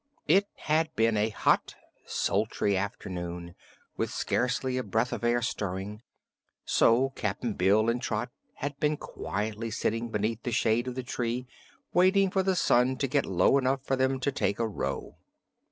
It had been a hot, sultry afternoon, with scarcely a breath of air stirring, so Cap'n Bill and Trot had been quietly sitting beneath the shade of the tree, waiting for the sun to get low enough for them to take a row.